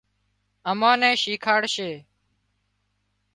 امان نين شيکاڙِ سي